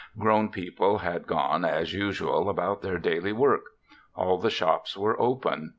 Grown people had gone as usual about their daily work. All the shops were open.